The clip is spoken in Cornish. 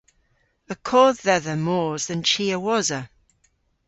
Y kodh dhedha mos dhe'n chi a-wosa.